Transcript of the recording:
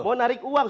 mau narik uang